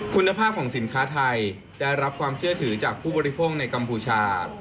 คุณภาพของสินค้าไทยได้รับความเชื่อถือจากผู้บริโภคในกัมพูชา